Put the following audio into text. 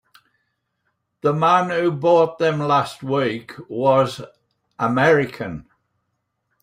The man who bought them last week was American.